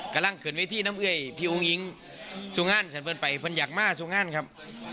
กำลังเขินไว้ที่น้ำเอ่ยพี่อุ้งอิงสู่งานสันเฟิร์นไปคนอยากมาสู่งานครับ